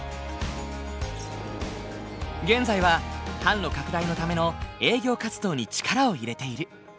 現在は販路拡大のための営業活動に力を入れている。